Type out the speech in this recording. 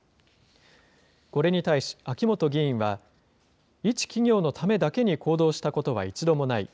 これに対し、秋元議員は一企業のためだけに行動したことは一度もない。